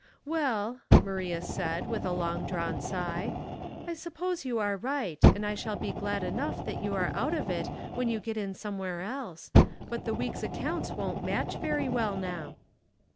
" Well," Maria said, with a long drawn sigh, *' I suppose you are right, and I shall be glad enough that you are out of it when you get in somewhere else ; but the week's accounts won't match very well now."